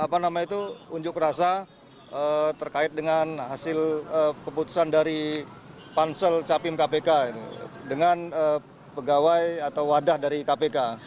apa namanya itu unjuk rasa terkait dengan hasil keputusan dari pansel capim kpk dengan pegawai atau wadah dari kpk